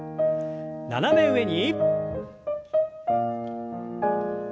斜め上に。